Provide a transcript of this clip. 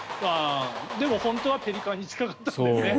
でも、本当はペリカンに近かったんですね。